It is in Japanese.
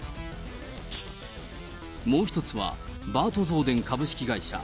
もう一つは、バートゾーデン株式会社。